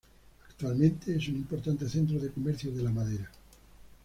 Actualmente es un importante centro de comercio de la madera.